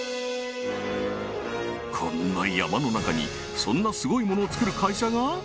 こんな山の中にそんなスゴいものをつくる会社が？